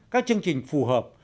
các chương trình phù hợp